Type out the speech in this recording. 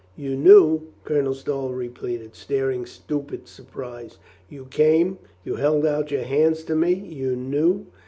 "You knew?" Colonel Stow repeated, staring stupid surprise. "You came — you held out your hands to me — you knew?"